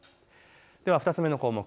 では２つ目の項目。